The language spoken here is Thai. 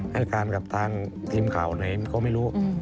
ให้การกับทางทีมข่าวไหนก็ไม่รู้